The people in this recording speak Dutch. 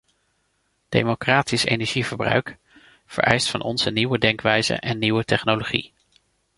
Democratisch energieverbruik vereist van ons een nieuwe denkwijze en nieuwe technologie.